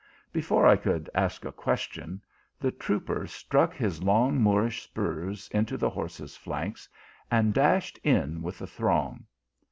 Before I could ask a question, the trooper struck his long Moorish spurs into the horse s flanks, and dashed in with the throng.